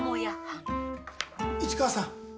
市川さん！